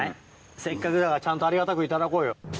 せっかくだからちゃんとありがたくいただこうよ。